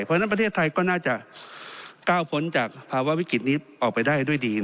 เพราะฉะนั้นประเทศไทยก็น่าจะก้าวพ้นจากภาวะวิกฤตนี้ออกไปได้ด้วยดี